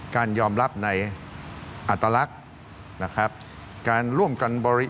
การยอมรับในอัตลักษณ์